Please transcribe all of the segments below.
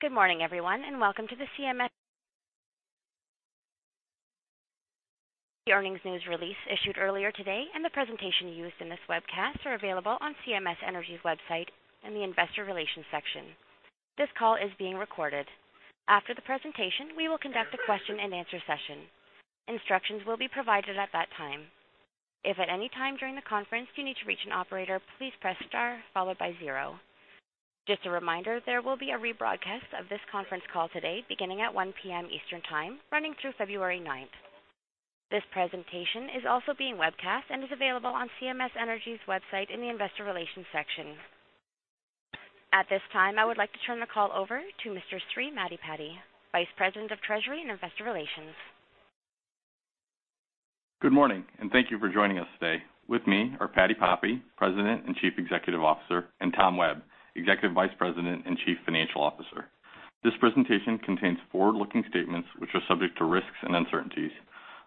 Good morning, everyone, and welcome to the CMS. The earnings news release issued earlier today and the presentation used in this webcast are available on CMS Energy's website in the Investor Relations section. This call is being recorded. After the presentation, we will conduct a question-and-answer session. Instructions will be provided at that time. If at any time during the conference you need to reach an operator, please press star followed by zero. Just a reminder, there will be a rebroadcast of this conference call today beginning at 1:00 P.M. Eastern Time, running through February 9th. This presentation is also being webcast and is available on CMS Energy's website in the Investor Relations section. At this time, I would like to turn the call over to Mr. Sri Maddipati, Vice President of Treasury and Investor Relations. Good morning, and thank you for joining us today. With me are Patti Poppe, President and Chief Executive Officer, and Tom Webb, Executive Vice President and Chief Financial Officer. This presentation contains forward-looking statements which are subject to risks and uncertainties.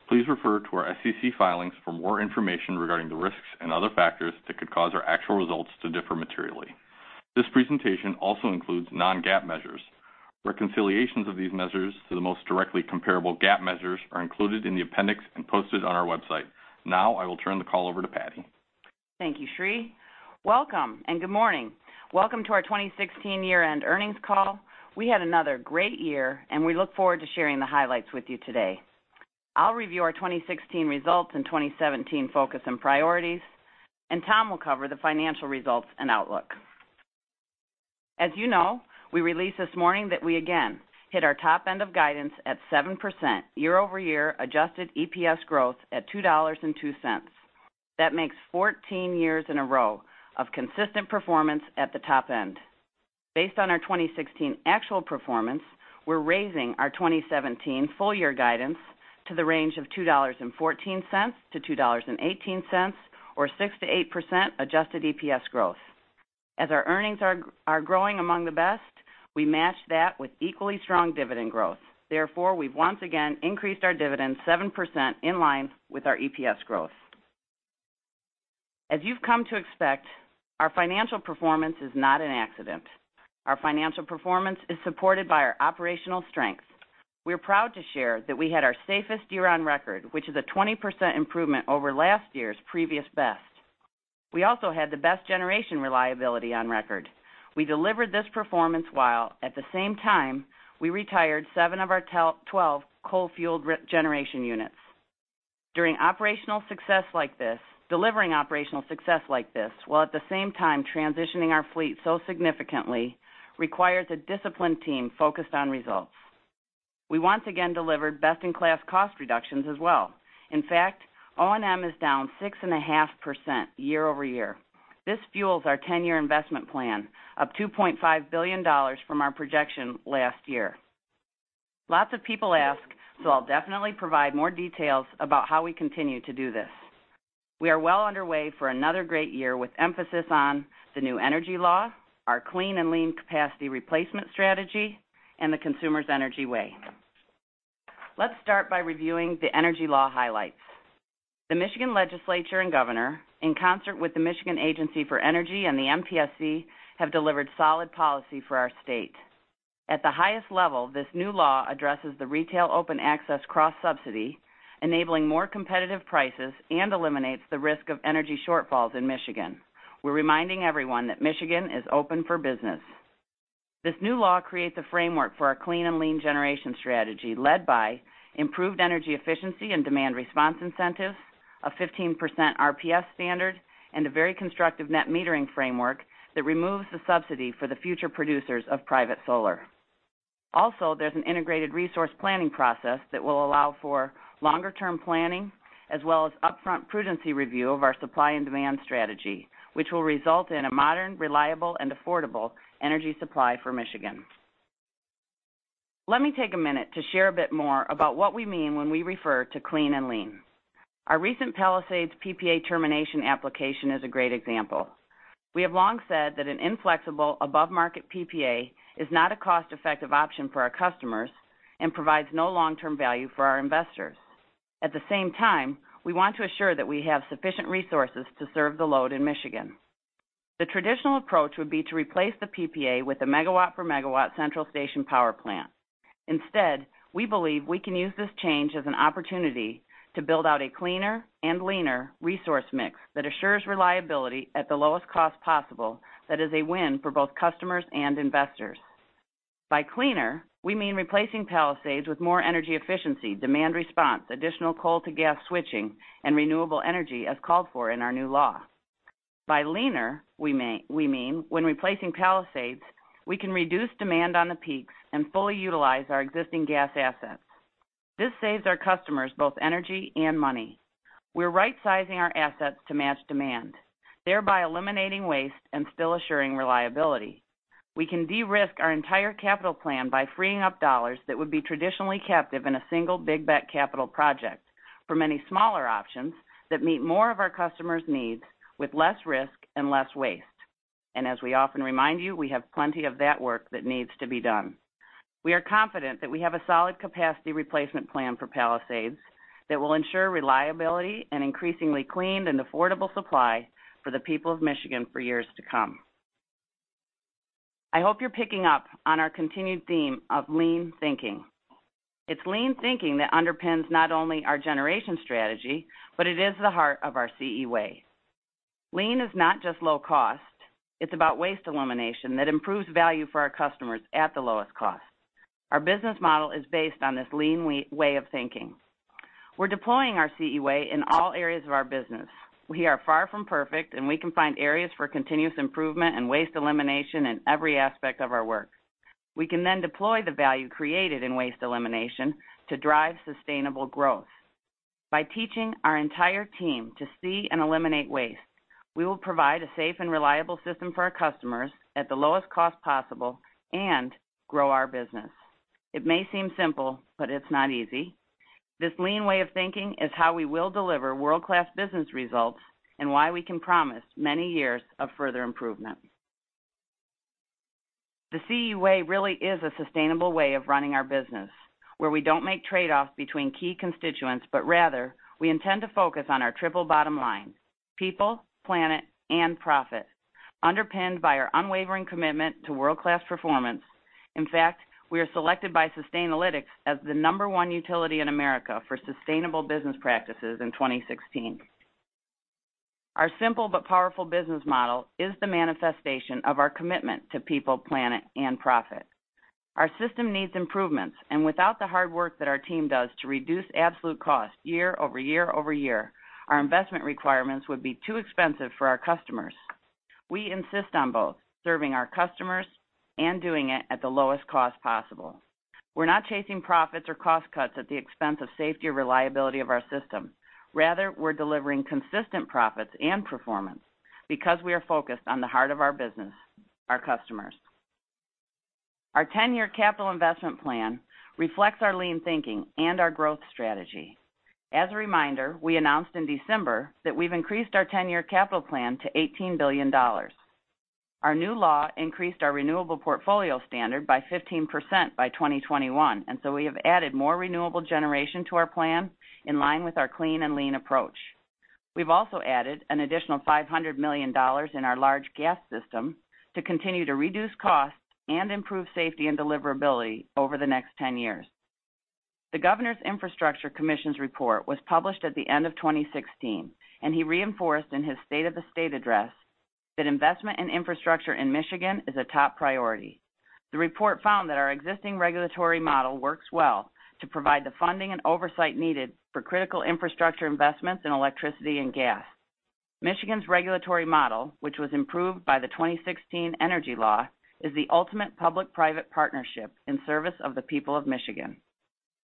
Please refer to our SEC filings for more information regarding the risks and other factors that could cause our actual results to differ materially. This presentation also includes non-GAAP measures. Reconciliations of these measures to the most directly comparable GAAP measures are included in the appendix and posted on our website. Now I will turn the call over to Patti. Thank you, Sri. Welcome, and good morning. Welcome to our 2016 year-end earnings call. We had another great year, and we look forward to sharing the highlights with you today. I'll review our 2016 results and 2017 focus and priorities, and Tom will cover the financial results and outlook. As you know, we released this morning that we again hit our top end of guidance at 7% year-over-year adjusted EPS growth at $2.02. That makes 14 years in a row of consistent performance at the top end. Based on our 2016 actual performance, we're raising our 2017 full-year guidance to the range of $2.14-$2.18, or 6%-8% adjusted EPS growth. As our earnings are growing among the best, we match that with equally strong dividend growth. Therefore, we've once again increased our dividend 7% in line with our EPS growth. As you've come to expect, our financial performance is not an accident. Our financial performance is supported by our operational strength. We're proud to share that we had our safest year on record, which is a 20% improvement over last year's previous best. We also had the best generation reliability on record. We delivered this performance while at the same time we retired seven of our 12 coal-fueled generation units. Delivering operational success like this while at the same time transitioning our fleet so significantly requires a disciplined team focused on results. We once again delivered best-in-class cost reductions as well. In fact, O&M is down 6.5% year-over-year. This fuels our 10-year investment plan, up $2.5 billion from our projection last year. Lots of people ask, I'll definitely provide more details about how we continue to do this. We are well underway for another great year with emphasis on the new energy law, our clean and lean capacity replacement strategy, and the CE Way. Let's start by reviewing the energy law highlights. The Michigan Legislature and Governor, in concert with the Michigan Agency for Energy and the MPSC, have delivered solid policy for our state. At the highest level, this new law addresses the retail open access cross-subsidy, enabling more competitive prices and eliminates the risk of energy shortfalls in Michigan. We're reminding everyone that Michigan is open for business. This new law creates a framework for our clean and lean generation strategy led by improved energy efficiency and demand response incentives, a 15% RPS standard, and a very constructive net metering framework that removes the subsidy for the future producers of private solar. There's an integrated resource planning process that will allow for longer-term planning as well as upfront prudency review of our supply and demand strategy, which will result in a modern, reliable, and affordable energy supply for Michigan. Let me take a minute to share a bit more about what we mean when we refer to clean and lean. Our recent Palisades PPA termination application is a great example. We have long said that an inflexible above-market PPA is not a cost-effective option for our customers and provides no long-term value for our investors. At the same time, we want to assure that we have sufficient resources to serve the load in Michigan. The traditional approach would be to replace the PPA with a megawatt for megawatt central station power plant. We believe we can use this change as an opportunity to build out a cleaner and leaner resource mix that assures reliability at the lowest cost possible that is a win for both customers and investors. By cleaner, we mean replacing Palisades with more energy efficiency, demand response, additional coal to gas switching, and renewable energy as called for in our new law. By leaner, we mean when replacing Palisades, we can reduce demand on the peaks and fully utilize our existing gas assets. This saves our customers both energy and money. We're right-sizing our assets to match demand, thereby eliminating waste and still assuring reliability. We can de-risk our entire capital plan by freeing up dollars that would be traditionally captive in a single big bet capital project for many smaller options that meet more of our customers' needs with less risk and less waste. As we often remind you, we have plenty of that work that needs to be done. We are confident that we have a solid capacity replacement plan for Palisades that will ensure reliability and increasingly clean and affordable supply for the people of Michigan for years to come. I hope you're picking up on our continued theme of lean thinking. It's lean thinking that underpins not only our generation strategy, but it is the heart of our CE Way. Lean is not just low cost. It's about waste elimination that improves value for our customers at the lowest cost. Our business model is based on this lean way of thinking. We're deploying our CE Way in all areas of our business. We are far from perfect, and we can find areas for continuous improvement and waste elimination in every aspect of our work. We can deploy the value created in waste elimination to drive sustainable growth. By teaching our entire team to see and eliminate waste, we will provide a safe and reliable system for our customers at the lowest cost possible and grow our business. It may seem simple, but it's not easy. This lean way of thinking is how we will deliver world-class business results and why we can promise many years of further improvement. The CE Way really is a sustainable way of running our business, where we don't make trade-offs between key constituents, but rather, we intend to focus on our triple bottom line, people, planet, and profit, underpinned by our unwavering commitment to world-class performance. In fact, we are selected by Sustainalytics as the number one utility in America for sustainable business practices in 2016. Our simple but powerful business model is the manifestation of our commitment to people, planet, and profit. Our system needs improvements, without the hard work that our team does to reduce absolute costs year over year over year, our investment requirements would be too expensive for our customers. We insist on both serving our customers and doing it at the lowest cost possible. We're not chasing profits or cost cuts at the expense of safety or reliability of our system. Rather, we're delivering consistent profits and performance because we are focused on the heart of our business, our customers. Our 10-year capital investment plan reflects our lean thinking and our growth strategy. As a reminder, we announced in December that we've increased our 10-year capital plan to $18 billion. Our new law increased our renewable portfolio standard by 15% by 2021. We have added more renewable generation to our plan in line with our clean and lean approach. We've also added an additional $500 million in our large gas system to continue to reduce costs and improve safety and deliverability over the next 10 years. The Governor's Infrastructure Commission's report was published at the end of 2016. He reinforced in his State of the State address that investment in infrastructure in Michigan is a top priority. The report found that our existing regulatory model works well to provide the funding and oversight needed for critical infrastructure investments in electricity and gas. Michigan's regulatory model, which was improved by the 2016 energy law, is the ultimate public-private partnership in service of the people of Michigan.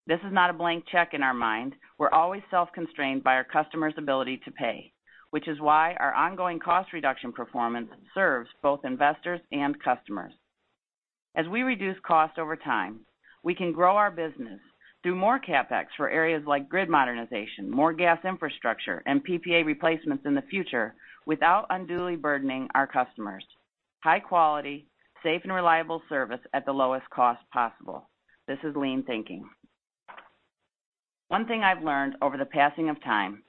This is not a blank check in our mind. We're always self-constrained by our customers' ability to pay, which is why our ongoing cost reduction performance serves both investors and customers. As we reduce cost over time, we can grow our business, do more CapEx for areas like grid modernization, more gas infrastructure, and PPA replacements in the future without unduly burdening our customers. High quality, safe and reliable service at the lowest cost possible. This is lean thinking. One thing I've learned over the passing of time is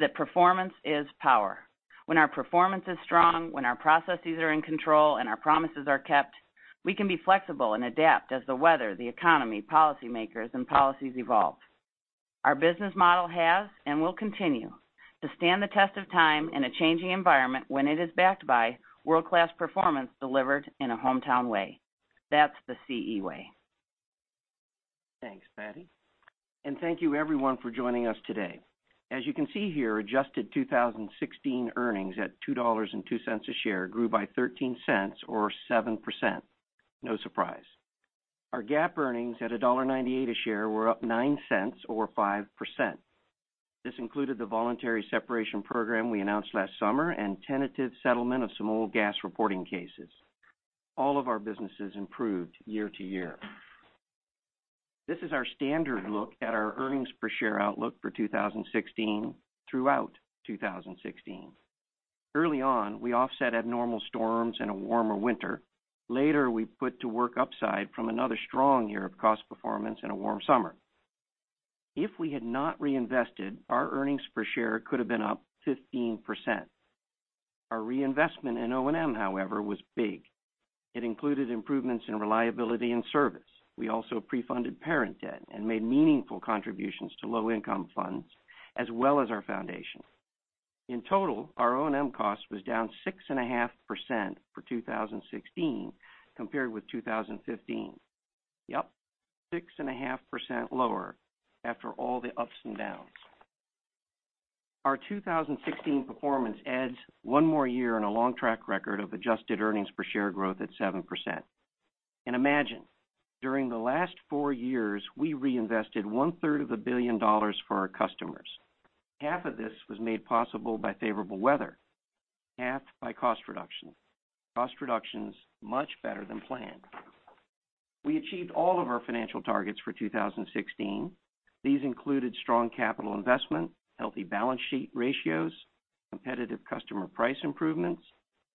that performance is power. When our performance is strong, when our processes are in control, and our promises are kept, we can be flexible and adapt as the weather, the economy, policymakers, and policies evolve. Our business model has and will continue to stand the test of time in a changing environment when it is backed by world-class performance delivered in a hometown way. That's the CE Way. Thanks, Patti. And thank you everyone for joining us today. As you can see here, adjusted 2016 earnings at $2.02 a share grew by $0.13 or 7%. No surprise. Our GAAP earnings at $1.98 a share were up $0.09 or 5%. This included the voluntary separation program we announced last summer and tentative settlement of some old gas reporting cases. All of our businesses improved year-to-year. This is our standard look at our earnings per share outlook for 2016 throughout 2016. Early on, we offset abnormal storms and a warmer winter. Later, we put to work upside from another strong year of cost performance and a warm summer. If we had not reinvested, our earnings per share could have been up 15%. Our reinvestment in O&M, however, was big. It included improvements in reliability and service. We also pre-funded parent debt and made meaningful contributions to low-income funds as well as our foundation. In total, our O&M cost was down 6.5% for 2016 compared with 2015. Yep, 6.5% lower after all the ups and downs. Our 2016 performance adds one more year on a long track record of adjusted earnings per share growth at 7%. Imagine, during the last four years, we reinvested one-third of a billion dollars for our customers. Half of this was made possible by favorable weather, half by cost reduction, much better than planned. We achieved all of our financial targets for 2016. These included strong capital investment, healthy balance sheet ratios, competitive customer price improvements,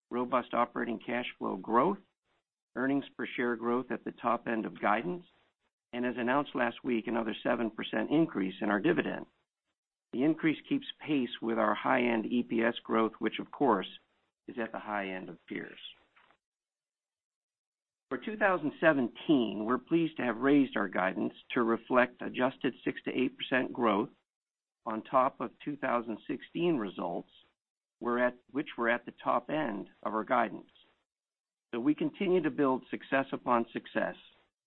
robust operating cash flow growth, earnings per share growth at the top end of guidance, and as announced last week, another 7% increase in our dividend. The increase keeps pace with our high-end EPS growth, which of course, is at the high end of peers. For 2017, we're pleased to have raised our guidance to reflect adjusted 6%-8% growth on top of 2016 results, which were at the top end of our guidance. We continue to build success upon success.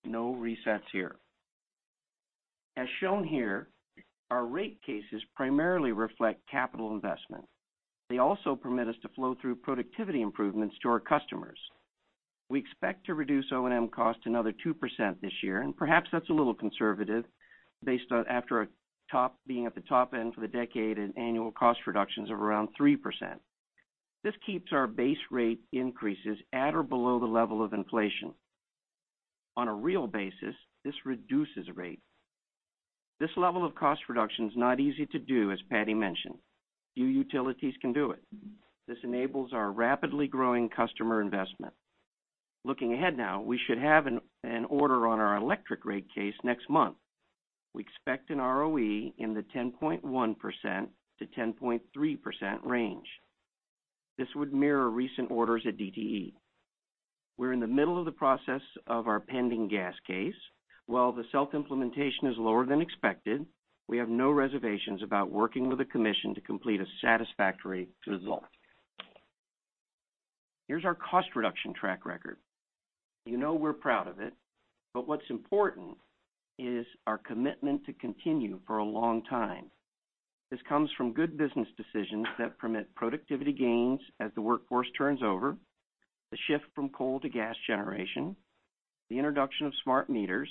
No resets here. As shown here, our rate cases primarily reflect capital investment. They also permit us to flow through productivity improvements to our customers. We expect to reduce O&M costs another 2% this year, and perhaps that's a little conservative based on being at the top end for the decade in annual cost reductions of around 3%. This keeps our base rate increases at or below the level of inflation. On a real basis, this reduces rate. This level of cost reduction is not easy to do, as Patti mentioned. Few utilities can do it. This enables our rapidly growing customer investment. Looking ahead now, we should have an order on our electric rate case next month. We expect an ROE in the 10.1%-10.3% range. This would mirror recent orders at DTE. We're in the middle of the process of our pending gas case. While the self-implementation is lower than expected, we have no reservations about working with the commission to complete a satisfactory result. Here's our cost reduction track record. You know we're proud of it, but what's important is our commitment to continue for a long time. This comes from good business decisions that permit productivity gains as the workforce turns over, the shift from coal to gas generation, the introduction of smart meters,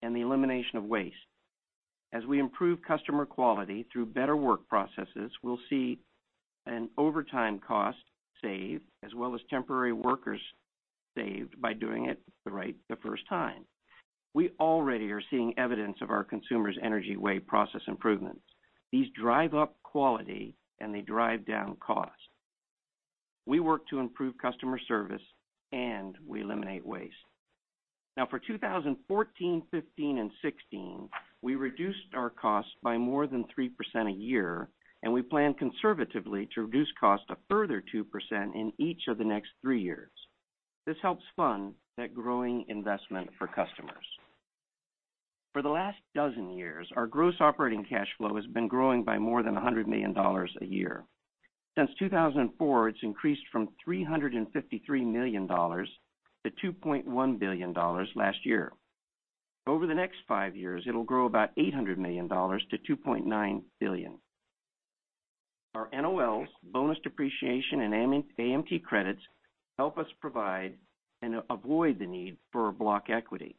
and the elimination of waste. As we improve customer quality through better work processes, we'll see an overtime cost saved, as well as temporary workers saved by doing it the right the first time. We already are seeing evidence of our Consumers Energy Way process improvements. These drive up quality, and they drive down cost. We work to improve customer service, and we eliminate waste. For 2014, 2015, and 2016, we reduced our costs by more than 3% a year, and we plan conservatively to reduce cost a further 2% in each of the next three years. This helps fund that growing investment for customers. For the last dozen years, our gross operating cash flow has been growing by more than $100 million a year. Since 2004, it's increased from $353 million to $2.1 billion last year. Over the next five years, it'll grow about $800 million to $2.9 billion. Our NOLs, bonus depreciation, and AMT credits help us provide and avoid the need for block equity.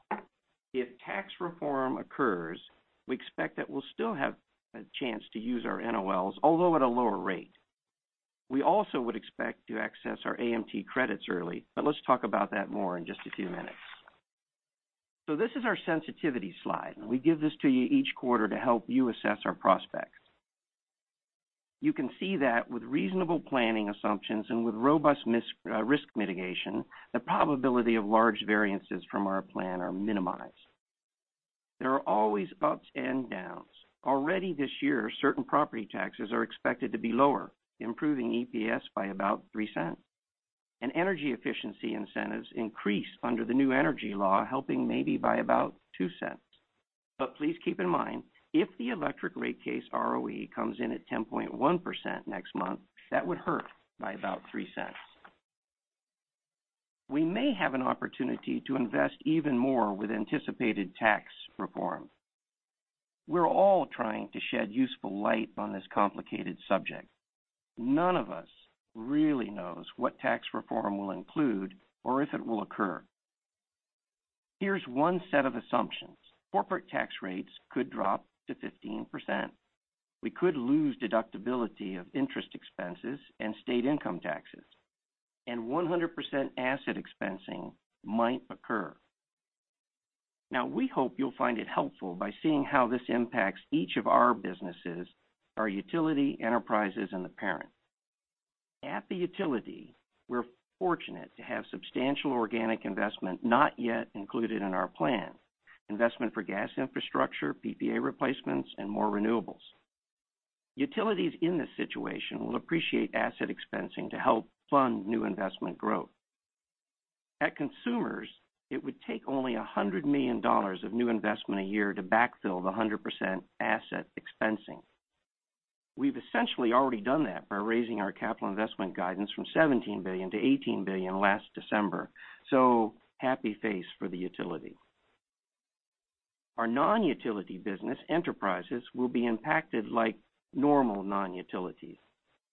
If tax reform occurs, we expect that we'll still have a chance to use our NOLs, although at a lower rate. We also would expect to access our AMT credits early, let's talk about that more in just a few minutes. This is our sensitivity slide, and we give this to you each quarter to help you assess our prospects. You can see that with reasonable planning assumptions and with robust risk mitigation, the probability of large variances from our plan are minimized. There are always ups and downs. Already this year, certain property taxes are expected to be lower, improving EPS by about $0.03. Energy efficiency incentives increased under the new energy law, helping maybe by about $0.02. Please keep in mind, if the electric rate case ROE comes in at 10.1% next month, that would hurt by about $0.03. We may have an opportunity to invest even more with anticipated tax reform. We're all trying to shed useful light on this complicated subject. None of us really knows what tax reform will include or if it will occur. Here's one set of assumptions. Corporate tax rates could drop to 15%. We could lose deductibility of interest expenses and state income taxes, and 100% asset expensing might occur. We hope you'll find it helpful by seeing how this impacts each of our businesses, our utility enterprises, and the parent. At the utility, we're fortunate to have substantial organic investment not yet included in our plan. Investment for gas infrastructure, PPA replacements, and more renewables. Utilities in this situation will appreciate asset expensing to help fund new investment growth. At Consumers, it would take only $100 million of new investment a year to backfill the 100% asset expensing. We've essentially already done that by raising our capital investment guidance from $17 billion to $18 billion last December. Happy face for the utility. Our non-utility business enterprises will be impacted like normal non-utilities.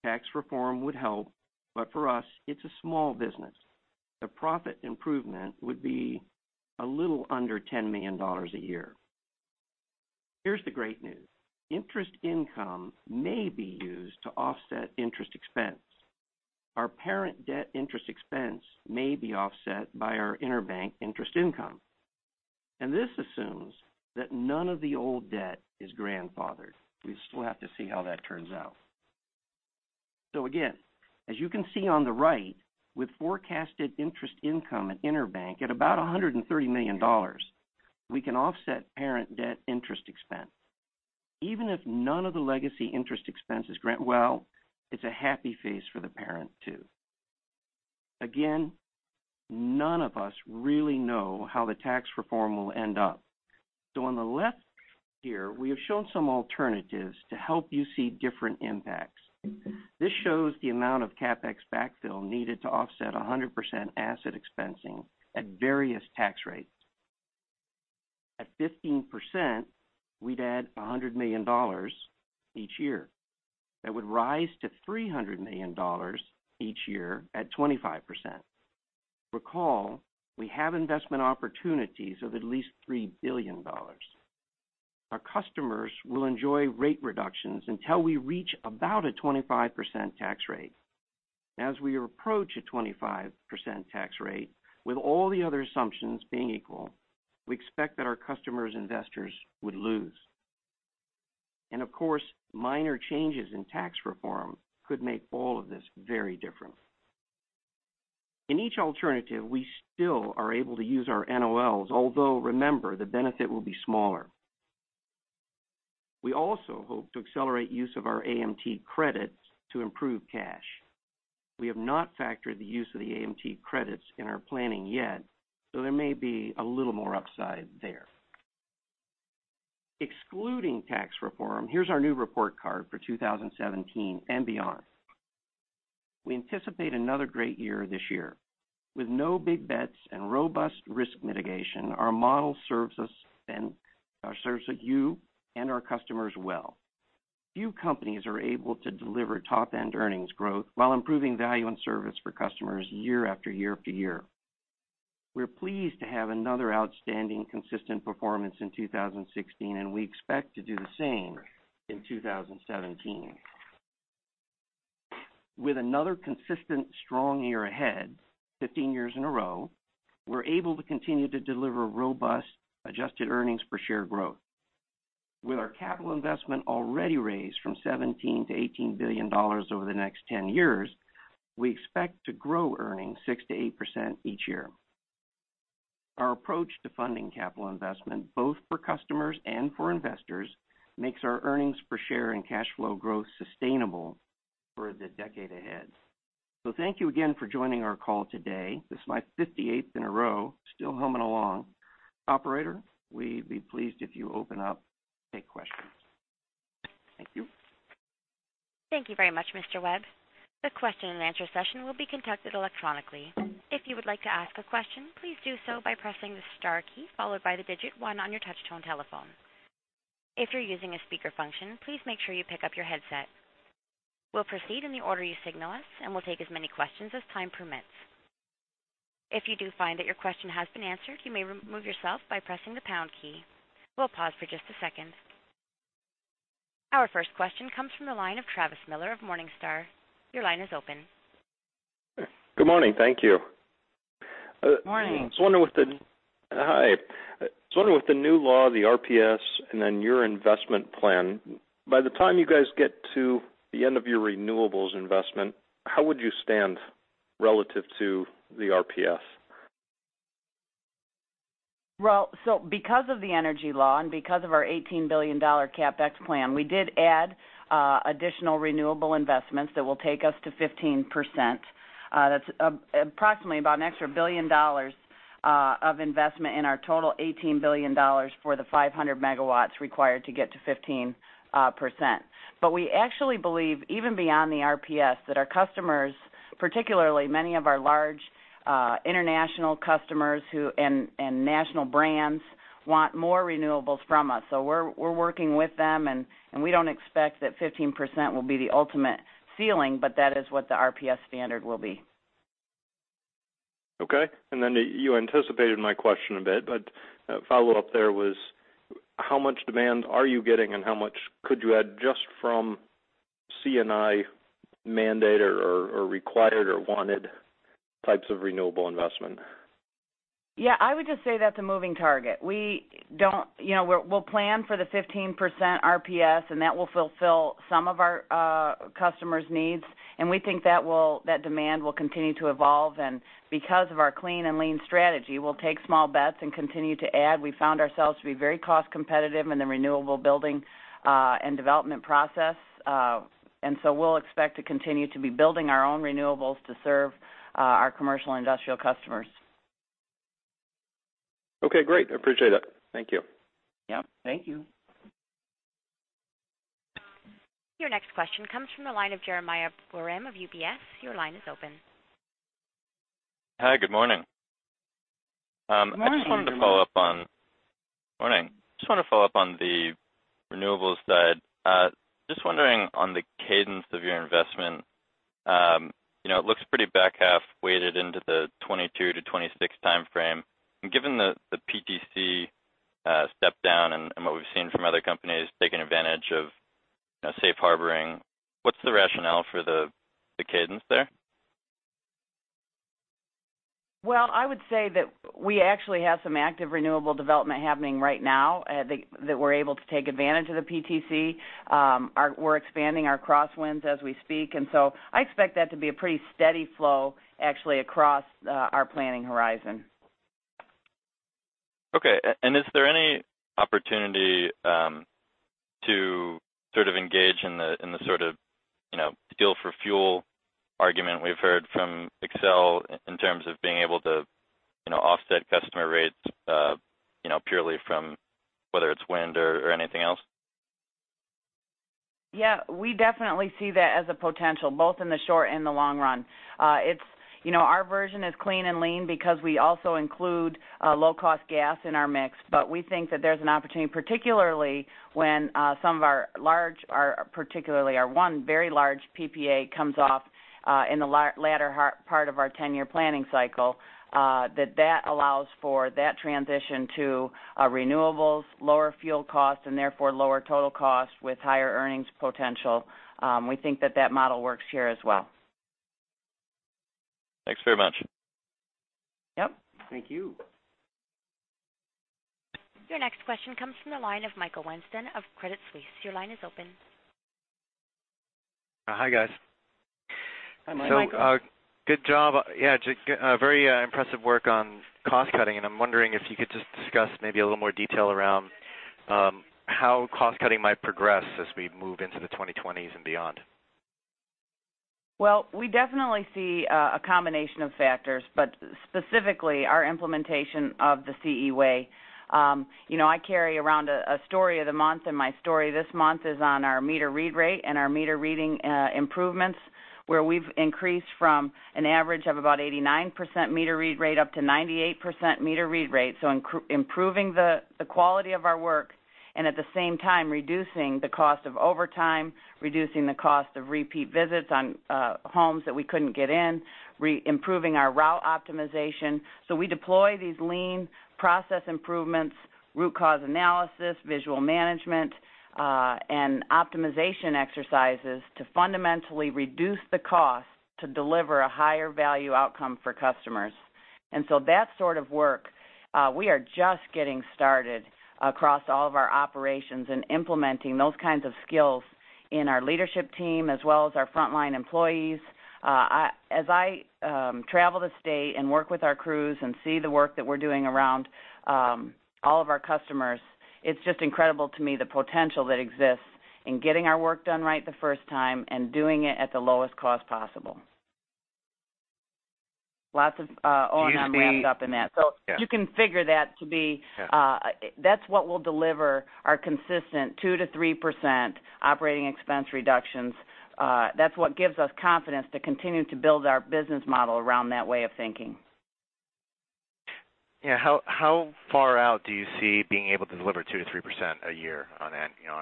Tax reform would help, but for us, it's a small business. The profit improvement would be a little under $10 million a year. Here's the great news. Interest income may be used to offset interest expense. Our parent debt interest expense may be offset by our intercompany interest income. This assumes that none of the old debt is grandfathered. We still have to see how that turns out. Again, as you can see on the right, with forecasted interest income at intercompany at about $130 million, we can offset parent debt interest expense. Even if none of the legacy interest expense is grant-well, it's a happy face for the parent too. None of us really know how the tax reform will end up. On the left here, we have shown some alternatives to help you see different impacts. This shows the amount of CapEx backfill needed to offset 100% asset expensing at various tax rates. At 15%, we'd add $100 million each year. That would rise to $300 million each year at 25%. Recall, we have investment opportunities of at least $3 billion. Our customers will enjoy rate reductions until we reach about a 25% tax rate. As we approach a 25% tax rate, with all the other assumptions being equal, we expect that our customers, investors would lose. Of course, minor changes in tax reform could make all of this very different. In each alternative, we still are able to use our NOLs, although remember, the benefit will be smaller. We also hope to accelerate use of our AMT credits to improve cash. We have not factored the use of the AMT credits in our planning yet, so there may be a little more upside there. Excluding tax reform, here's our new report card for 2017 and beyond. We anticipate another great year this year. With no big bets and robust risk mitigation, our model serves us and serves you and our customers well. Few companies are able to deliver top-end earnings growth while improving value and service for customers year after year after year. We're pleased to have another outstanding consistent performance in 2016, we expect to do the same in 2017. With another consistent strong year ahead, 15 years in a row, we're able to continue to deliver robust adjusted earnings per share growth. With our capital investment already raised from $17 billion-$18 billion over the next 10 years, we expect to grow earnings 6%-8% each year. Our approach to funding capital investment, both for customers and for investors, makes our earnings per share and cash flow growth sustainable for the decade ahead. Thank you again for joining our call today. This is my 58th in a row, still humming along. Operator, we'd be pleased if you open up, take questions. Thank you. Thank you very much, Mr. Webb. The question and answer session will be conducted electronically. If you would like to ask a question, please do so by pressing the star key followed by the digit 1 on your touch-tone telephone. If you're using a speaker function, please make sure you pick up your headset. We'll proceed in the order you signal us, and we'll take as many questions as time permits. If you do find that your question has been answered, you may remove yourself by pressing the pound key. We'll pause for just a second. Our first question comes from the line of Travis Miller of Morningstar. Your line is open. Good morning. Thank you. Morning. Hi. I was wondering with the new law, the RPS, and then your investment plan, by the time you guys get to the end of your renewables investment, how would you stand relative to the RPS? Because of the energy law and because of our $18 billion CapEx plan, we did add additional renewable investments that will take us to 15%. That's approximately about an extra $1 billion of investment in our total $18 billion for the 500 MW required to get to 15%. We actually believe, even beyond the RPS, that our customers, particularly many of our large, international customers and national brands want more renewables from us. We're working with them, and we don't expect that 15% will be the ultimate ceiling, but that is what the RPS standard will be. Okay. You anticipated my question a bit, but a follow-up there was, how much demand are you getting and how much could you add just from C&I mandate or required or wanted types of renewable investment? Yeah, I would just say that's a moving target. We'll plan for the 15% RPS, and that will fulfill some of our customers' needs, and we think that demand will continue to evolve. Because of our clean and lean strategy, we'll take small bets and continue to add. We found ourselves to be very cost competitive in the renewable building and development process. We'll expect to continue to be building our own renewables to serve our commercial industrial customers. Okay, great. I appreciate it. Thank you. Yep. Thank you. Your next question comes from the line of Jeremiah Borim of UBS. Your line is open. Hi. Good morning. Morning. Morning. Just wanted to follow up on the renewables side. Just wondering on the cadence of your investment. It looks pretty back half weighted into the 2022 to 2026 time frame. Given the PTC step down and what we've seen from other companies taking advantage of safe harboring. What's the rationale for the cadence there? Well, I would say that we actually have some active renewable development happening right now that we're able to take advantage of the PTC. We're expanding our Cross Winds as we speak, so I expect that to be a pretty steady flow actually across our planning horizon. Okay. Is there any opportunity to engage in the steel for fuel argument we've heard from Xcel in terms of being able to offset customer rates purely from whether it's wind or anything else? Yeah. We definitely see that as a potential, both in the short and the long run. Our version is clean and lean because we also include low-cost gas in our mix. We think that there's an opportunity, particularly when some of our large, particularly our one very large PPA, comes off in the latter part of our 10-year planning cycle, that that allows for that transition to renewables, lower fuel costs, and therefore lower total cost with higher earnings potential. We think that that model works here as well. Thanks very much. Yep. Thank you. Your next question comes from the line of Michael Weinstein of Credit Suisse. Your line is open. Hi, guys. Hi, Michael. Good job. Yeah. Very impressive work on cost-cutting, I'm wondering if you could just discuss maybe a little more detail around how cost-cutting might progress as we move into the 2020s and beyond. We definitely see a combination of factors, specifically our implementation of the CE Way. I carry around a story of the month, my story this month is on our meter read rate and our meter reading improvements, where we've increased from an average of about 89% meter read rate up to 98% meter read rate. Improving the quality of our work, at the same time reducing the cost of overtime, reducing the cost of repeat visits on homes that we couldn't get in, improving our route optimization. We deploy these lean process improvements, root cause analysis, visual management, and optimization exercises to fundamentally reduce the cost to deliver a higher value outcome for customers. That sort of work, we are just getting started across all of our operations and implementing those kinds of skills in our leadership team as well as our frontline employees. As I travel the state and work with our crews and see the work that we're doing around all of our customers, it's just incredible to me the potential that exists in getting our work done right the first time and doing it at the lowest cost possible. Lots of O&M wrapped up in that. Yeah That's what will deliver our consistent 2%-3% operating expense reductions. That's what gives us confidence to continue to build our business model around that way of thinking. Yeah. How far out do you see being able to deliver 2%-3% a year on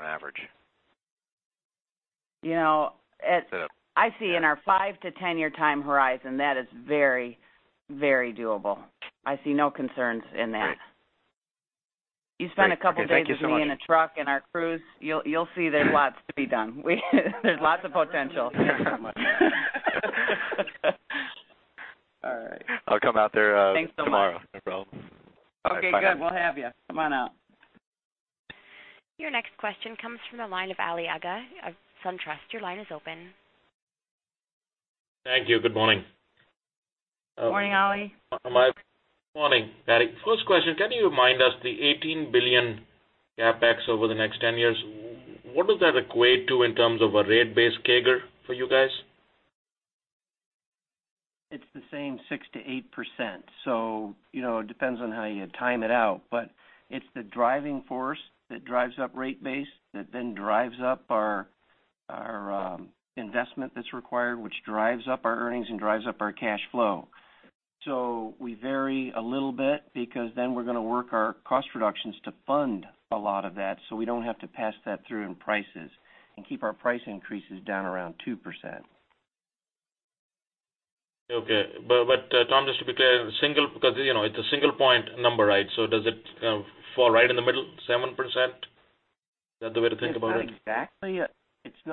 average? I see in our five- to 10-year time horizon, that is very doable. I see no concerns in that. Great. Okay, thank you so much. You spend a couple days with me in a truck and our crews, you'll see there's lots to be done. There's lots of potential. Thanks so much. All right. I'll come out there. Thanks so much. tomorrow. No problem. Okay, good. We'll have you. Come on out. Your next question comes from the line of Ali Agha of SunTrust. Your line is open. Thank you. Good morning. Morning, Ali. Hi, Mike. Morning, Patti. First question, can you remind us the $18 billion CapEx over the next 10 years, what does that equate to in terms of a rate base CAGR for you guys? It's the same 6%-8%. It depends on how you time it out, but it's the driving force that drives up rate base, that then drives up our investment that's required, which drives up our earnings and drives up our cash flow. We vary a little bit because then we're going to work our cost reductions to fund a lot of that, so we don't have to pass that through in prices and keep our price increases down around 2%. Okay. Tom, just to be clear, because it's a single point number, right? Does it fall right in the middle, 7%? Is that the way to think about it? It's not exactly.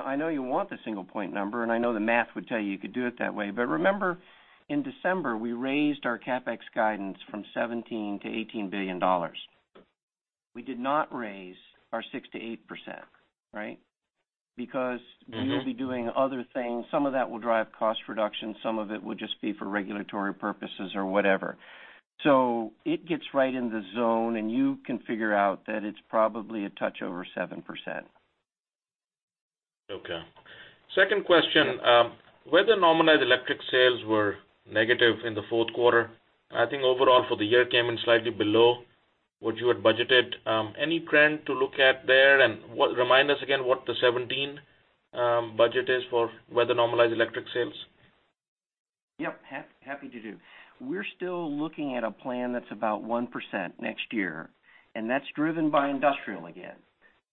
I know you want the single point number, and I know the math would tell you could do it that way. Remember, in December, we raised our CapEx guidance from $17 billion-$18 billion. We did not raise our 6%-8%, right? We will be doing other things. Some of that will drive cost reduction, some of it will just be for regulatory purposes or whatever. It gets right in the zone, and you can figure out that it's probably a touch over 7%. Okay. Second question. Weather-normalized electric sales were negative in the fourth quarter. I think overall for the year came in slightly below what you had budgeted. Any trend to look at there? Remind us again what the 2017 budget is for weather-normalized electric sales. Yep, happy to do. We're still looking at a plan that's about 1% next year. That's driven by industrial again.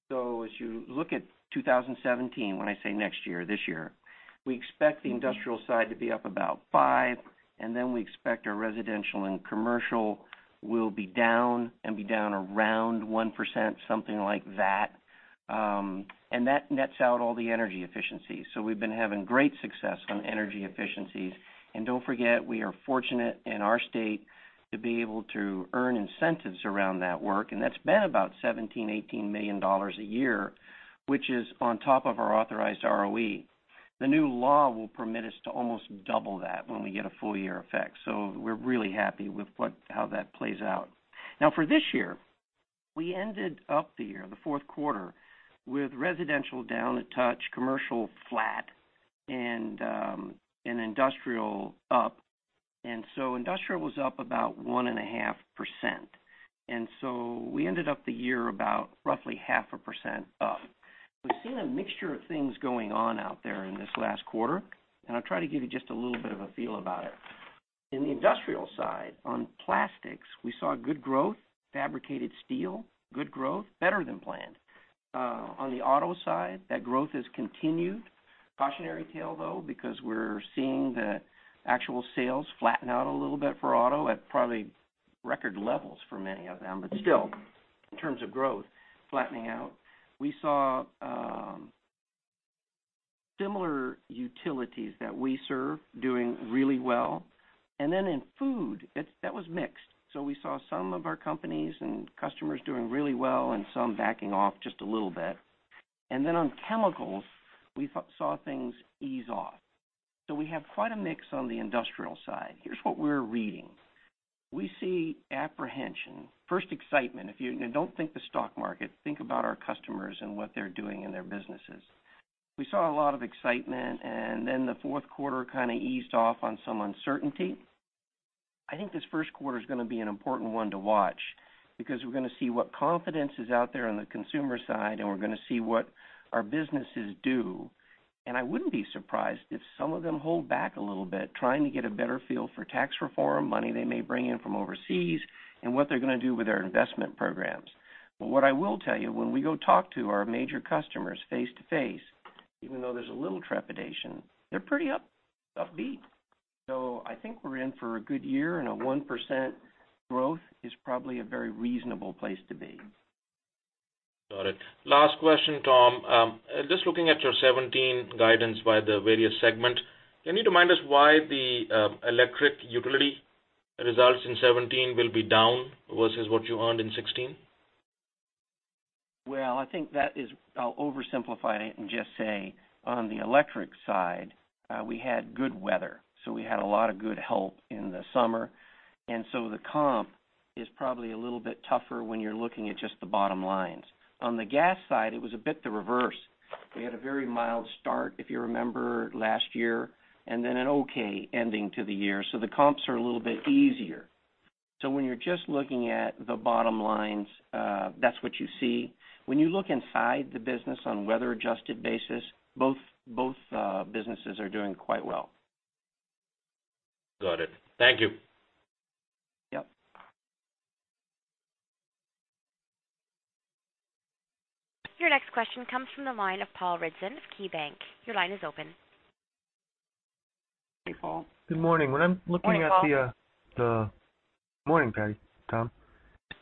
As you look at 2017, when I say next year, this year, we expect the industrial side to be up about 5%. Then we expect our residential and commercial will be down around 1%, something like that. That nets out all the energy efficiencies. We've been having great success on energy efficiencies. Don't forget, we are fortunate in our state to be able to earn incentives around that work, and that's been about $17 million-$18 million a year, which is on top of our authorized ROE. The new law will permit us to almost double that when we get a full year effect. We're really happy with how that plays out. Now for this year, we ended up the year, the fourth quarter, with residential down a touch, commercial flat, and industrial up. Industrial was up about 1.5%. We ended up the year about roughly 0.5% up. We've seen a mixture of things going on out there in this last quarter, I'll try to give you just a little bit of a feel about it. In the industrial side, on plastics, we saw good growth, fabricated steel, good growth, better than planned. On the auto side, that growth has continued. Cautionary tale, though, because we're seeing the actual sales flatten out a little bit for auto at probably record levels for many of them. Still, in terms of growth, flattening out. We saw similar utilities that we serve doing really well. Then in food, that was mixed. We saw some of our companies and customers doing really well and some backing off just a little bit. On chemicals, we saw things ease off. We have quite a mix on the industrial side. Here's what we're reading. We see apprehension. First excitement. If you don't think the stock market, think about our customers and what they're doing in their businesses. The fourth quarter kind of eased off on some uncertainty. This first quarter is going to be an important one to watch because we're going to see what confidence is out there on the consumer side, and we're going to see what our businesses do. I wouldn't be surprised if some of them hold back a little bit, trying to get a better feel for tax reform, money they may bring in from overseas, and what they're going to do with their investment programs. What I will tell you, when we go talk to our major customers face-to-face, even though there's a little trepidation, they're pretty upbeat. I think we're in for a good year, and a 1% growth is probably a very reasonable place to be. Got it. Last question, Tom. Just looking at your 2017 guidance by the various segment, can you remind us why the electric utility results in 2017 will be down versus what you earned in 2016? Well, I'll oversimplify it and just say on the electric side, we had good weather. We had a lot of good help in the summer. The comp is probably a little bit tougher when you're looking at just the bottom lines. On the gas side, it was a bit the reverse. We had a very mild start, if you remember last year, and then an okay ending to the year. The comps are a little bit easier. When you're just looking at the bottom lines, that's what you see. When you look inside the business on weather-adjusted basis, both businesses are doing quite well. Got it. Thank you. Yep. Your next question comes from the line of Paul Ridzon of KeyBank. Your line is open. Hey, Paul. Good morning. Morning, Paul. Morning, Patti, Tom.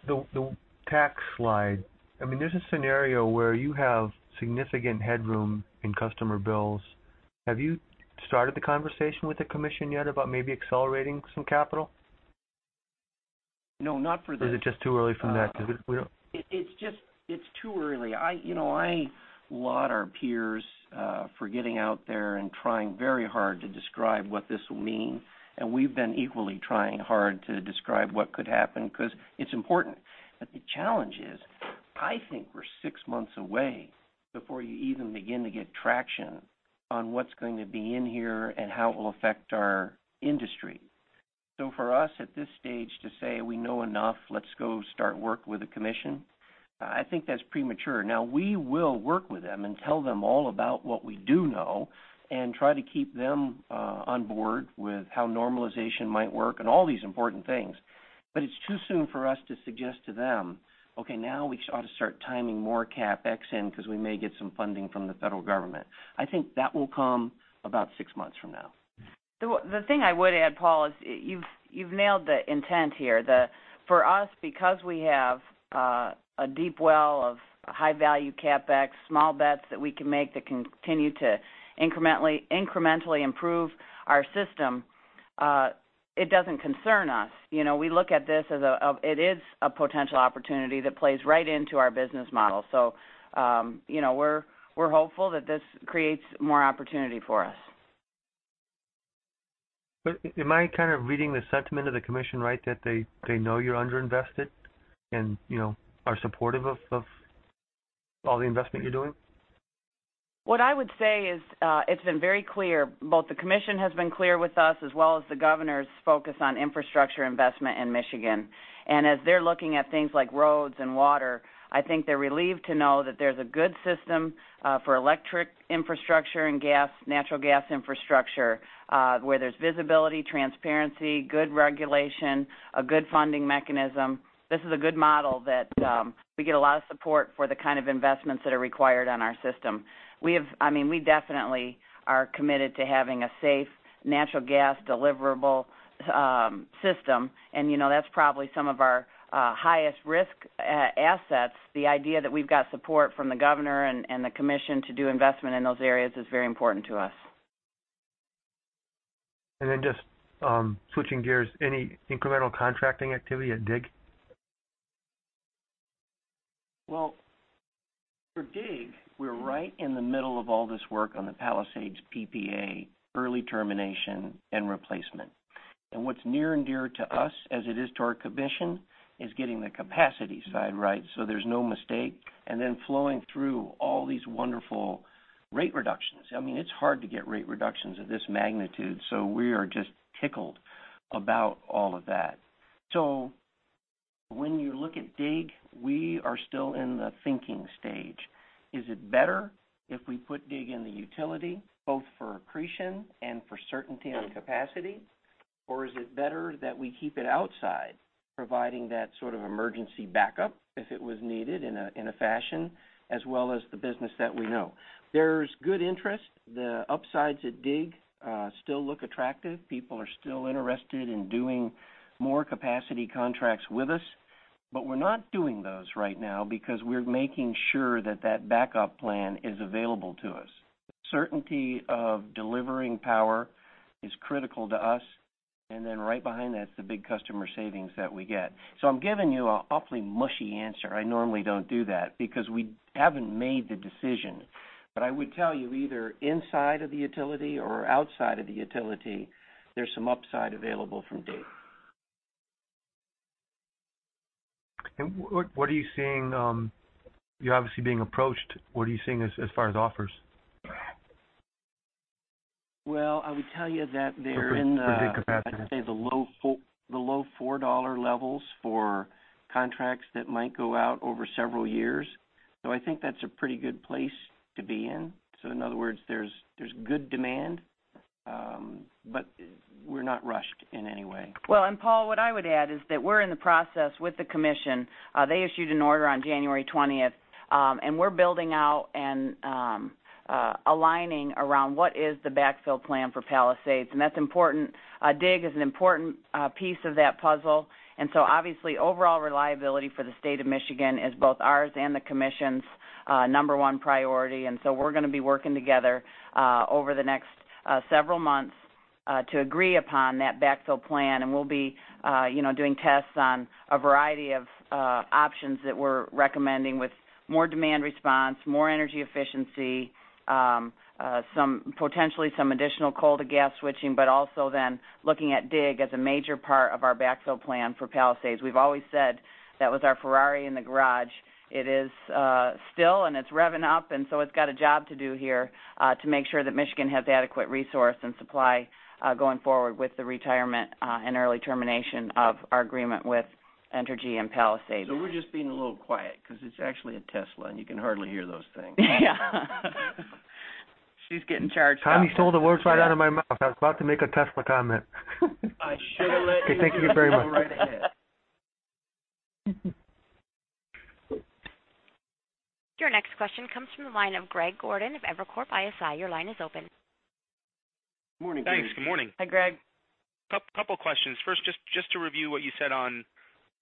The tax slide, there's a scenario where you have significant headroom in customer bills. Have you started the conversation with the commission yet about maybe accelerating some capital? No, not for this. Is it just too early for that? It's too early. I laud our peers for getting out there and trying very hard to describe what this will mean, and we've been equally trying hard to describe what could happen because it's important. The challenge is, I think we're 6 months away before you even begin to get traction on what's going to be in here and how it will affect our industry. For us, at this stage to say we know enough, let's go start work with the commission, I think that's premature. Now, we will work with them and tell them all about what we do know and try to keep them on board with how normalization might work and all these important things. It's too soon for us to suggest to them, okay, now we ought to start timing more CapEx in because we may get some funding from the federal government. I think that will come about 6 months from now. The thing I would add, Paul, is you've nailed the intent here. For us, because we have a deep well of high-value CapEx, small bets that we can make that continue to incrementally improve our system, it doesn't concern us. We look at this as it is a potential opportunity that plays right into our business model. We're hopeful that this creates more opportunity for us. Am I kind of reading the sentiment of the commission right that they know you're under-invested and are supportive of all the investment you're doing? What I would say is it's been very clear, both the commission has been clear with us, as well as the governor's focus on infrastructure investment in Michigan. As they're looking at things like roads and water, I think they're relieved to know that there's a good system for electric infrastructure and natural gas infrastructure where there's visibility, transparency, good regulation, a good funding mechanism. This is a good model that we get a lot of support for the kind of investments that are required on our system. We definitely are committed to having a safe natural gas deliverable system, and that's probably some of our highest risk assets. The idea that we've got support from the governor and the commission to do investment in those areas is very important to us. just switching gears, any incremental contracting activity at DIG? Well, for DIG, we're right in the middle of all this work on the Palisades PPA early termination and replacement. What's near and dear to us, as it is to our Commission, is getting the capacity side right so there's no mistake, then flowing through all these wonderful rate reductions. It's hard to get rate reductions of this magnitude, we are just tickled about all of that. When you look at DIG, we are still in the thinking stage. Is it better if we put DIG in the utility, both for accretion and for certainty on capacity? Or is it better that we keep it outside, providing that sort of emergency backup if it was needed in a fashion, as well as the business that we know? There's good interest. The upsides at DIG still look attractive. People are still interested in doing more capacity contracts with us. We're not doing those right now because we're making sure that that backup plan is available to us. Certainty of delivering power is critical to us, right behind that is the big customer savings that we get. I'm giving you an awfully mushy answer. I normally don't do that because we haven't made the decision. I would tell you, either inside of the utility or outside of the utility, there's some upside available from DIG. What are you seeing? You're obviously being approached. What are you seeing as far as offers? I would tell you that they're For DIG capacity I'd say the low $4 levels for contracts that might go out over several years. I think that's a pretty good place to be in. In other words, there's good demand, but we're not rushed in any way. Paul, what I would add is that we're in the process with the commission. They issued an order on January 20th. We're building out and aligning around what is the backfill plan for Palisades. That's important. DIG is an important piece of that puzzle. Obviously, overall reliability for the state of Michigan is both ours and the commission's number one priority. We're going to be working together over the next several months to agree upon that backfill plan. We'll be doing tests on a variety of options that we're recommending with more demand response, more energy efficiency, potentially some additional coal-to-gas switching, but also then looking at DIG as a major part of our backfill plan for Palisades. We've always said that was our Ferrari in the garage. It is still, it's revving up, it's got a job to do here to make sure that Michigan has adequate resource and supply going forward with the retirement and early termination of our agreement with Entergy and Palisades. We're just being a little quiet because it's actually a Tesla, you can hardly hear those things. Yeah. She's getting charged up. Tommy stole the words right out of my mouth. I was about to make a Tesla comment. I should have let you- Okay, thank you very much. Go right ahead. Your next question comes from the line of Greg Gordon of Evercore ISI. Your line is open. Morning, Greg. Thanks. Good morning. Hi, Greg. A couple of questions. First, just to review what you said on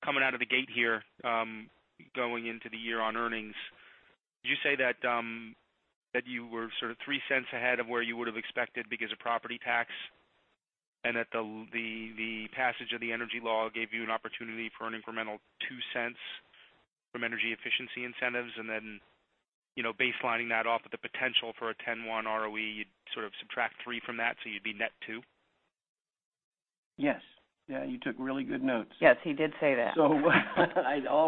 coming out of the gate here going into the year on earnings. You say that you were sort of $0.03 ahead of where you would have expected because of property tax, and that the passage of the energy law gave you an opportunity for an incremental $0.02 from energy efficiency incentives, and then baselining that off with the potential for a 10-1 ROE, you'd sort of subtract three from that, so you'd be net two? Yes. Yeah, you took really good notes. Yes, he did say that. All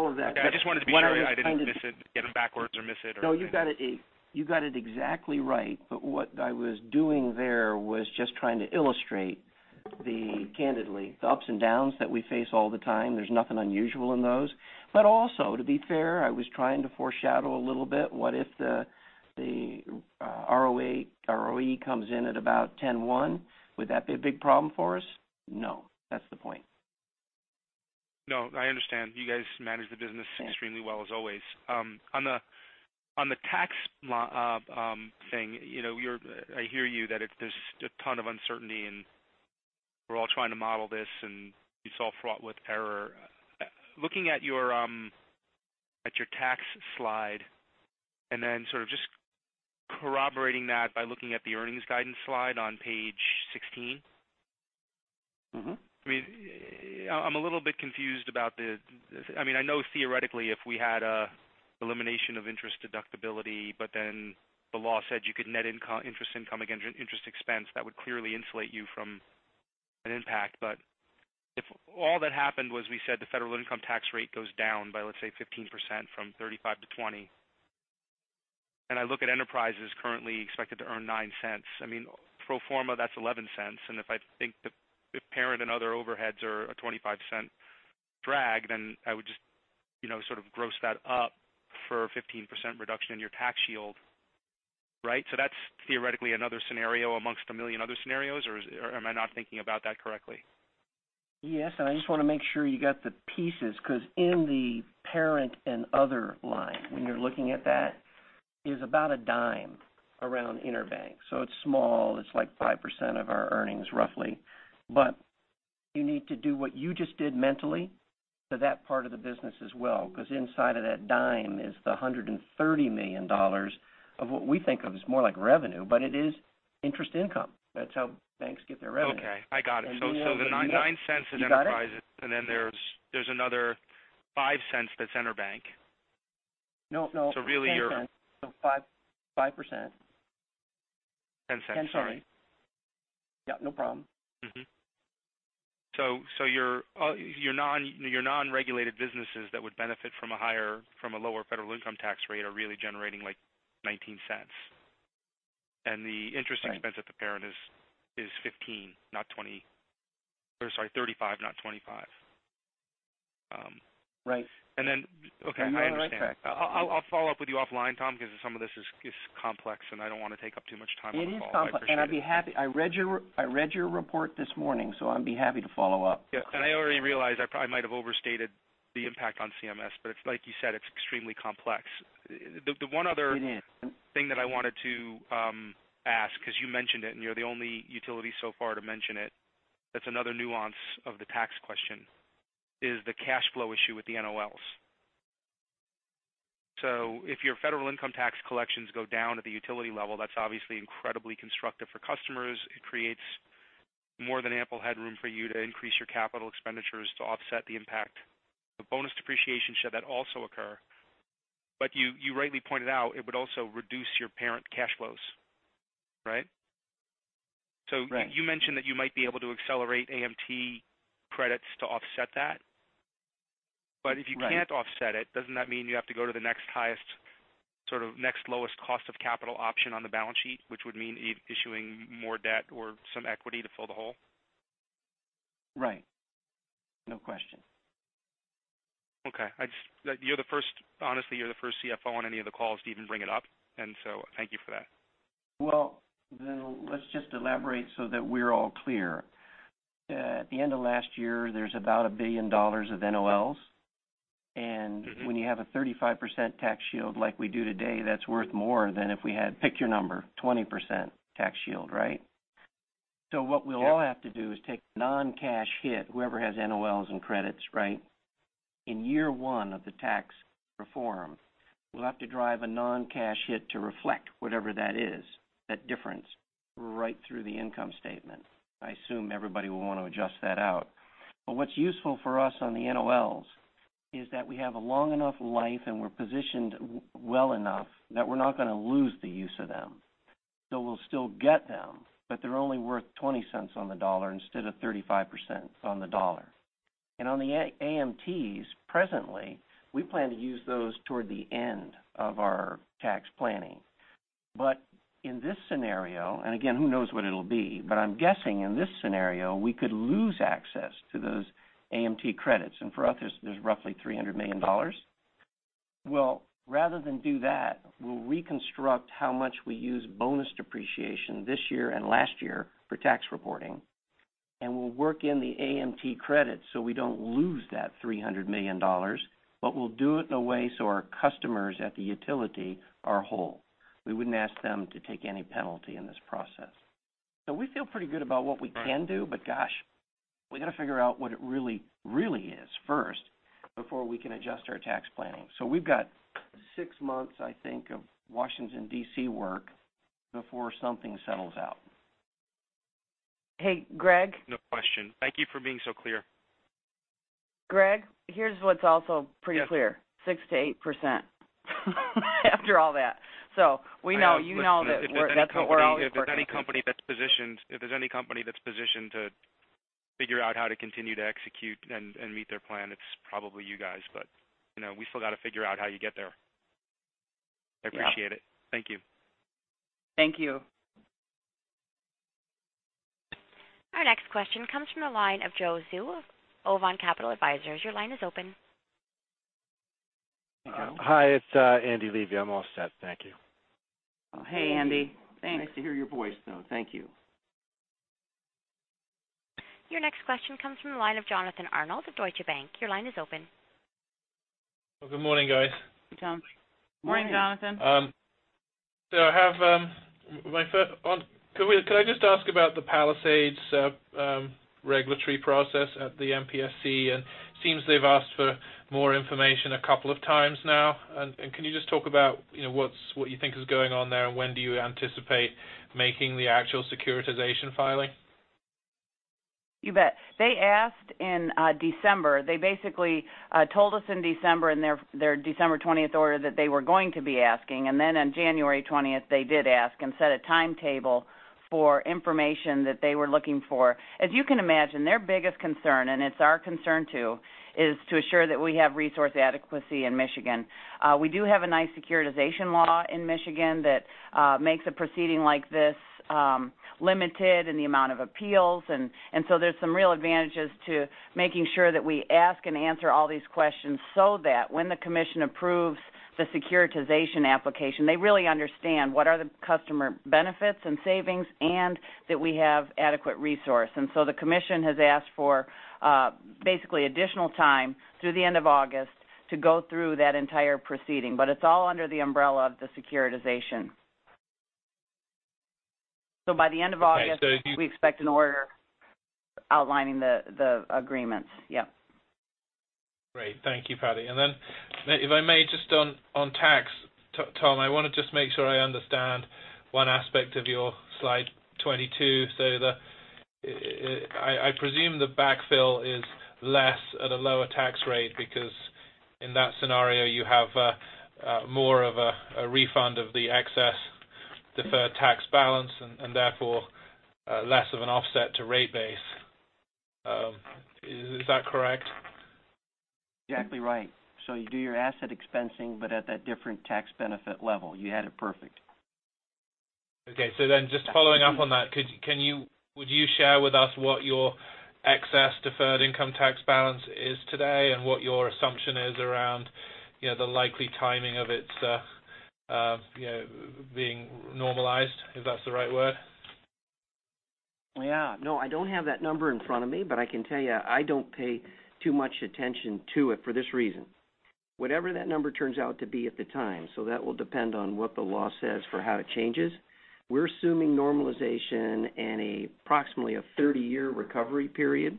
of that. Yeah, I just wanted to be sure I didn't miss it, get them backwards or miss it or anything. No, you got it exactly right. What I was doing there was just trying to illustrate the, candidly, the ups and downs that we face all the time. There's nothing unusual in those. Also, to be fair, I was trying to foreshadow a little bit what if the ROE comes in at about 10.1? Would that be a big problem for us? No. That's the point. No, I understand. You guys manage the business extremely well, as always. On the tax thing, I hear you that there's a ton of uncertainty, and we're all trying to model this, and it's all fraught with error. Looking at your tax slide, sort of just corroborating that by looking at the earnings guidance slide on page 16. I'm a little bit confused about the. I know theoretically if we had elimination of interest deductibility, the law said you could net interest income against interest expense, that would clearly insulate you from an impact. If all that happened was, we said the federal income tax rate goes down by, let's say, 15% from 35 to 20, I look at enterprises currently expected to earn $0.09. Pro forma, that's $0.11. If I think the parent and other overheads are a $0.25 drag, I would just gross that up for a 15% reduction in your tax shield. Right? That's theoretically another scenario amongst a million other scenarios? Am I not thinking about that correctly? Yes. I just want to make sure you got the pieces, because in the parent and other line, when you're looking at that, is about $0.10 around intercompany. It's small, it's like 5% of our earnings, roughly. You need to do what you just did mentally to that part of the business as well, because inside of that $0.10 is the $130 million of what we think of as more like revenue, but it is interest income. That's how banks get their revenue. Okay. I got it. The $0.09 at enterprises. You got it? There's another $0.05 that's intercompany. No. Really, you're. 5%. $0.10, sorry. $0.10, sorry. Yeah, no problem. Your non-regulated businesses that would benefit from a lower federal income tax rate are really generating like $0.19. Right. The interest expense at the parent is $15, not $20. Or sorry, $35, not $25. Right. Okay, I understand. I'll follow up with you offline, Tom, because some of this is complex, and I don't want to take up too much time on the call. It is complex. I read your report this morning, so I'd be happy to follow up. Yeah. I already realize I probably might have overstated the impact on CMS, but it's like you said, it's extremely complex. It is. The one other thing that I wanted to ask, because you mentioned it, and you're the only utility so far to mention it, that's another nuance of the tax question, is the cash flow issue with the NOLs. If your federal income tax collections go down at the utility level, that's obviously incredibly constructive for customers. It creates more than ample headroom for you to increase your CapEx to offset the impact of bonus depreciation should that also occur. You rightly pointed out it would also reduce your parent cash flows. Right? Right. You mentioned that you might be able to accelerate AMT credits to offset that. Right. If you can't offset it, doesn't that mean you have to go to the next lowest cost of capital option on the balance sheet, which would mean issuing more debt or some equity to fill the hole? Right. No question. Okay. Honestly, you're the first CFO on any of the calls to even bring it up, thank you for that. Let's just elaborate so that we're all clear. At the end of last year, there's about $1 billion of NOLs. When you have a 35% tax shield like we do today, that's worth more than if we had, pick your number, 20% tax shield, right? Yeah. What we'll all have to do is take non-cash hit, whoever has NOLs and credits, right? In year one of the tax reform, we'll have to drive a non-cash hit to reflect whatever that is, that difference, right through the income statement. I assume everybody will want to adjust that out. What's useful for us on the NOLs is that we have a long enough life, and we're positioned well enough that we're not going to lose the use of them. We'll still get them, but they're only worth $0.20 on the dollar instead of 35% on the dollar. On the AMTs, presently, we plan to use those toward the end of our tax planning. In this scenario, and again, who knows what it'll be, but I'm guessing in this scenario, we could lose access to those AMT credits. For us, there's roughly $300 million. Rather than do that, we'll reconstruct how much we use bonus depreciation this year and last year for tax reporting, and we'll work in the AMT credits so we don't lose that $300 million, but we'll do it in a way so our customers at the utility are whole. We wouldn't ask them to take any penalty in this process. We feel pretty good about what we can do, but gosh, we've got to figure out what it really is first before we can adjust our tax planning. We've got six months, I think, of Washington D.C. work before something settles out. Hey, Greg? No question. Thank you for being so clear. Greg, here's what's also pretty clear. Yes. 6%-8% after all that. If there's any company that's positioned to figure out how to continue to execute and meet their plan, it's probably you guys, but we still got to figure out how you get there. Yeah. I appreciate it. Thank you. Thank you. Our next question comes from the line of Joe Zu of Ovan Capital Advisors. Your line is open. Hello? Hi, it's Andy Levy. I'm all set. Thank you. Hey, Andy. Andy. Nice to hear your voice, though. Thank you. Your next question comes from the line of Jonathan Arnold of Deutsche Bank. Your line is open. Good morning, guys. Good morning, Jonathan. Could I just ask about the Palisades regulatory process at the MPSC? It seems they've asked for more information a couple of times now. Can you just talk about what you think is going on there, and when do you anticipate making the actual securitization filing? You bet. They asked in December. They basically told us in December, in their December 20th order, that they were going to be asking. Then on January 20th, they did ask and set a timetable for information that they were looking for. As you can imagine, their biggest concern, and it's our concern too, is to ensure that we have resource adequacy in Michigan. We do have a nice securitization law in Michigan that makes a proceeding like this limited in the amount of appeals. There's some real advantages to making sure that we ask and answer all these questions so that when the commission approves the securitization application, they really understand what are the customer benefits and savings, and that we have adequate resource. The commission has asked for basically additional time through the end of August to go through that entire proceeding. It's all under the umbrella of the securitization. By the end of August- Okay, do you- We expect an order outlining the agreements. Yep. Great. Thank you, Patti. If I may, just on tax, Tom, I want to just make sure I understand one aspect of your slide 22. I presume the backfill is less at a lower tax rate because in that scenario you have more of a refund of the excess deferred tax balance and therefore less of an offset to rate base. Is that correct? Exactly right. You do your asset expensing, at that different tax benefit level. You had it perfect. Just following up on that, would you share with us what your excess deferred income tax balance is today and what your assumption is around the likely timing of it being normalized, if that's the right word? Yeah. No, I don't have that number in front of me, but I can tell you I don't pay too much attention to it for this reason. Whatever that number turns out to be at the time, that will depend on what the law says for how it changes. We're assuming normalization and approximately a 30-year recovery period.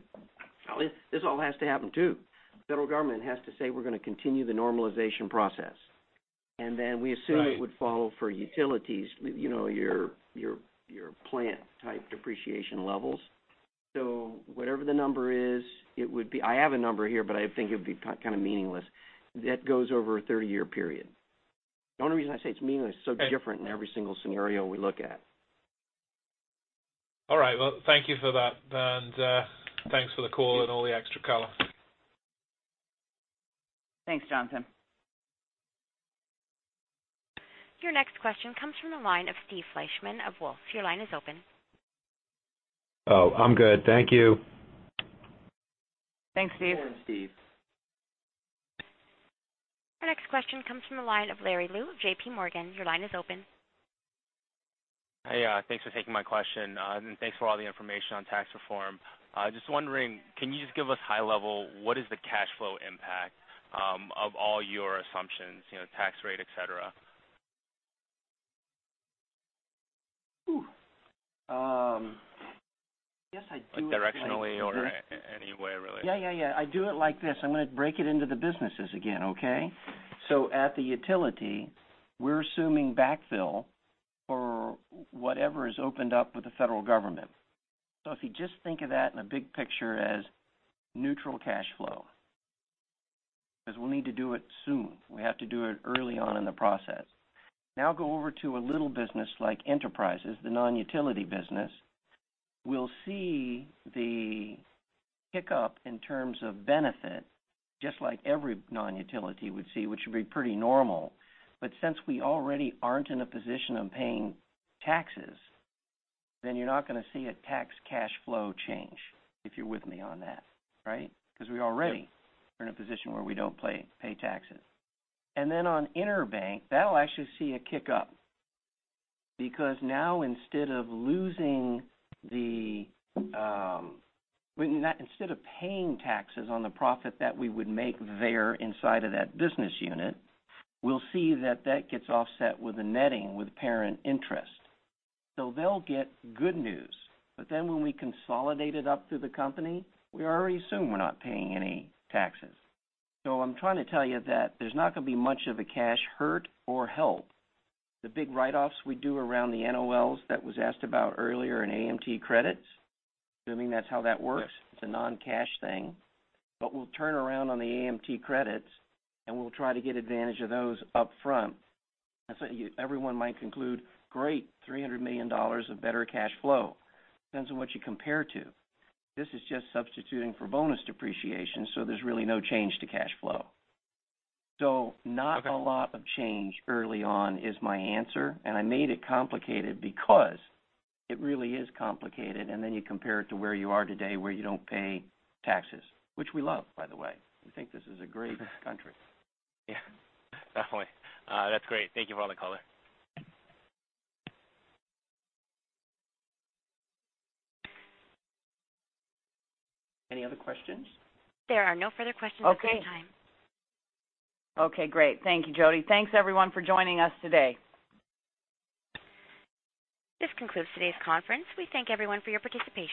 This all has to happen, too. Federal government has to say we're going to continue the normalization process. We assume Right It would follow for utilities, your plant-type depreciation levels. Whatever the number is, it would be. I have a number here, but I think it would be kind of meaningless. That goes over a 30-year period. The only reason I say it's meaningless, it's so different in every single scenario we look at. All right. Thank you for that, thanks for the call and all the extra color. Thanks, Jonathan. Your next question comes from the line of Steve Fleishman of Wolfe. Your line is open. Oh, I'm good. Thank you. Thanks, Steve. Go on, Steve. Our next question comes from the line of Larry Lu of J.P. Morgan. Your line is open. Hey, thanks for taking my question, thanks for all the information on tax reform. Just wondering, can you just give us high level, what is the cash flow impact of all your assumptions, tax rate, et cetera? Ooh. Like directionally or any way, really. Yeah. I do it like this. I'm going to break it into the businesses again, okay? At the utility, we're assuming backfill for whatever is opened up with the federal government. If you just think of that in a big picture as neutral cash flow, because we'll need to do it soon. We have to do it early on in the process. Go over to a little business like Enterprises, the non-utility business. We'll see the pickup in terms of benefit, just like every non-utility would see, which would be pretty normal. Since we already aren't in a position of paying taxes, you're not going to see a tax cash flow change, if you're with me on that. Right? Because we already are in a position where we don't pay taxes. On intercompany, that'll actually see a kick-up, because now instead of paying taxes on the profit that we would make there inside of that business unit, we'll see that that gets offset with a netting with parent interest. They'll get good news. When we consolidate it up through the company, we already assume we're not paying any taxes. I'm trying to tell you that there's not going to be much of a cash hurt or help. The big write-offs we do around the NOLs that was asked about earlier in AMT credits, assuming that's how that works. Yes. It's a non-cash thing. We'll turn around on the AMT credits, and we'll try to get advantage of those upfront. Everyone might conclude, great, $300 million of better cash flow. Depends on what you compare it to. This is just substituting for bonus depreciation, there's really no change to cash flow. Not a lot of change early on is my answer, and I made it complicated because it really is complicated, and then you compare it to where you are today, where you don't pay taxes. Which we love, by the way. We think this is a great country. Yeah. Definitely. That's great. Thank you for all the color. Any other questions? There are no further questions at this time. Okay. Okay, great. Thank you, Jody. Thanks, everyone, for joining us today. This concludes today's conference. We thank everyone for your participation.